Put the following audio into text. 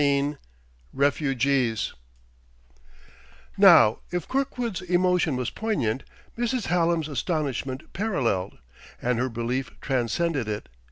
XV REFUGEES Now, if Kirkwood's emotion was poignant, Mrs. Hallam's astonishment paralleled, and her relief transcended it.